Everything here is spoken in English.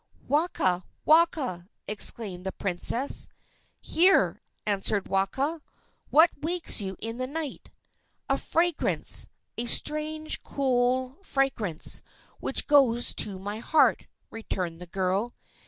"Waka! Waka!" exclaimed the princess. "Here!" answered Waka. "What wakes you in the night?" "A fragrance, a strange, cool fragrance, which goes to my heart," returned the girl.